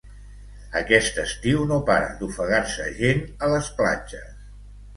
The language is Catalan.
Aquest estiu no para d'ofegar-se gent a les platges.